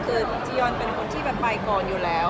คือจียอนเป็นคนที่แบบไปก่อนอยู่แล้ว